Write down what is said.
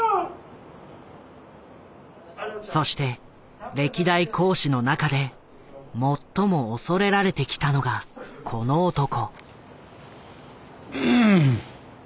そして歴代講師の中で最も恐れられてきたのがこの男。